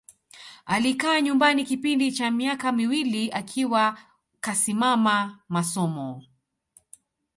Alikaa nyumbani kipindi cha miaka miwili akiwa kasimama masomo